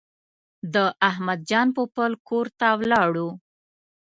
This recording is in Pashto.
د احمد جان پوپل کور ته ولاړو.